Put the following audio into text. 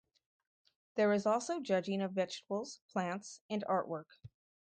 There is also judging of vegetables, plants and artwork.